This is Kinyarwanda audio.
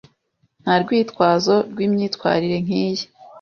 Nta rwitwazo rwimyitwarire nkiyi.